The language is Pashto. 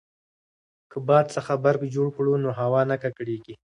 که باد څخه برق جوړ کړو نو هوا نه ککړیږي.